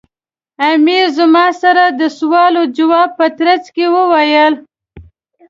امیر زما سره د سوال و ځواب په ترڅ کې وویل.